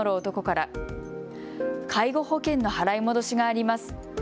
男から介護保険の払い戻しがあります。